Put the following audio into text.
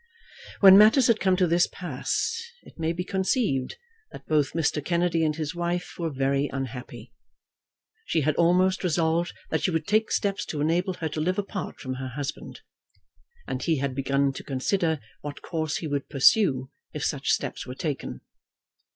When matters had come to this pass, it may be conceived that both Mr. Kennedy and his wife were very unhappy. She had almost resolved that she would take steps to enable her to live apart from her husband; and he had begun to consider what course he would pursue if such steps were taken.